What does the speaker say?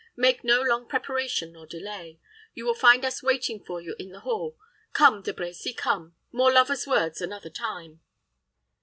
Make no long preparation nor delay. You will find us waiting for you in the hall. Come, De Brecy, come. More lovers' words another time."